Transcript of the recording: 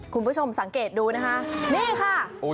คุณผู้ชมสังเกตดูนะคะนี่ค่ะ